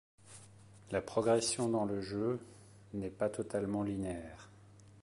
La progression dans le jeu n'est pas totalement linéaire.